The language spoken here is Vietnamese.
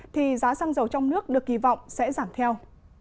thì giá xăng dầu trong nước được kỳ vọng sẽ giảm theo